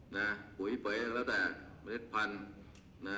ปุ๋ยเป๋ยก็แล้วแต่เมล็ดพันธุ์นะ